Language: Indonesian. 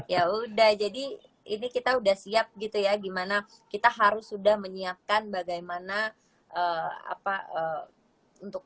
ya udah jadi ini kita udah siap gitu ya gimana kita harus sudah menyiapkan bagaimana apa untuk